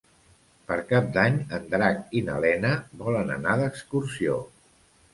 Per Cap d'Any en Drac i na Lena volen anar d'excursió.